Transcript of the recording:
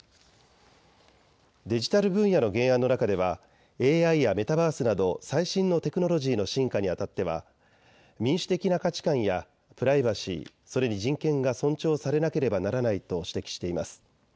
デジタル分野の原案の中ではＡＩやメタバースなど最新のテクノロジーの進化にあたっては民主的な価値観やプライバシー、それに人権が尊重されなければならないと指摘しています。